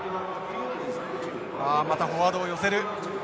あまたフォワードを寄せる。